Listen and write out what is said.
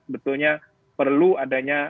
betulnya perlu adanya